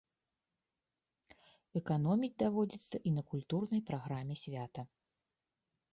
Эканоміць даводзіцца і на культурнай праграме свята.